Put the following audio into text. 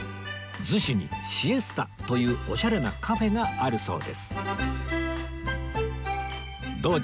逗子にシエスタというオシャレなカフェがあるそうです